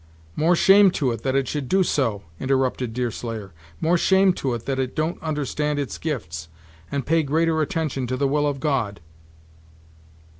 "More shame to it, that it should do so," interrupted Deerslayer; "more shame to it, that it don't understand its gifts, and pay greater attention to the will of God."